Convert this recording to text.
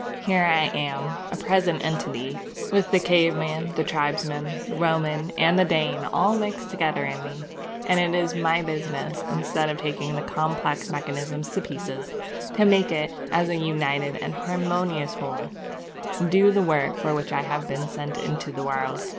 Here I am, a present entity, with the caveman, the tribesman, the Roman, and the Dane all mixed up together in me; and it is my business, instead of taking the complex mechanism to pieces, to make it, as a united and harmonious whole, do the work for which I have been sent into the world.